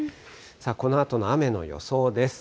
このあとの雨の予想です。